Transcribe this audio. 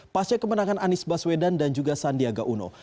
pasca kemenangan anies baswedan dan juga sandiaga uno